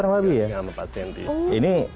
iya lebih kurang lebih empat sentian